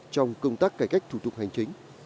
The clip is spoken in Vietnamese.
trong công tác cải cách thủ tục hành chính